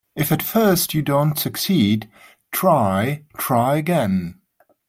If at first you don't succeed, try, try again.